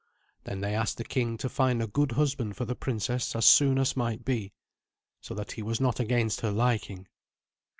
Then they asked the king to find a good husband for the princess as soon as might be, so that he was not against her liking.